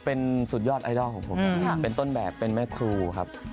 เป็นสุดยอดไอดอลของผมเป็นต้นแบบเป็นแม่ครูครับ